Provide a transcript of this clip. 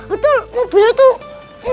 betul mobilnya tuh